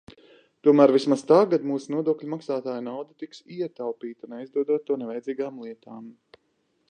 Tomēr vismaz tagad mūsu nodokļu maksātāju nauda tiks ietaupīta, neizdodot to nevajadzīgām lietām.